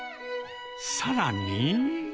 さらに。